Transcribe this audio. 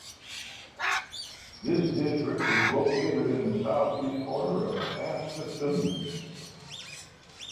This district was located in the southeast corner of Saskatoon.